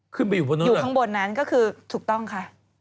ขึ้นไปอยู่บนนั้นอยู่ข้างบนนั้นก็คือถูกต้องค่ะ